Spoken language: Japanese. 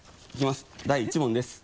第１問です。